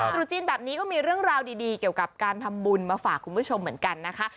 ตรุษจีนแบบนี้ก็มีเรื่องราวดีเกี่ยวกับการทำบุญมาฝากคุณผู้ชมเหมือนกันนะคะ